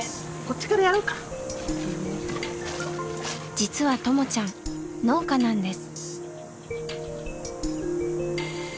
実はともちゃん農家なんです。